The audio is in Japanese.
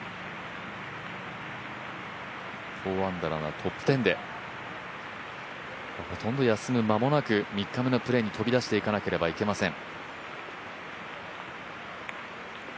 ４アンダーならトップ１０で、ほとんど休む間もなく３日目のプレーに飛び出していかなければいけません。